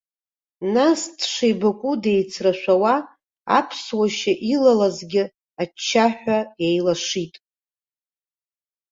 Нас дшеибакәу деицрашәауа, аԥсуа шьа илылазгьы аччаҳәа иеилашит.